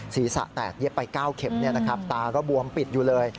ศีรษะแตกเย็บไป๙เข็มตาก็บวมปิดอยู่เลย